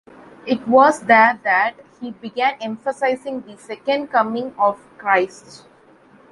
It was there that he began emphasizing the Second Coming of Christ.